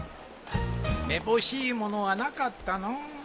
めぼしいものはなかったのう。